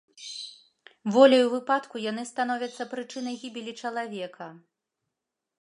Воляю выпадку яны становяцца прычынай гібелі чалавека.